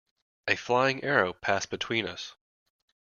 A flying arrow passed between us.